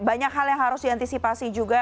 banyak hal yang harus diantisipasi juga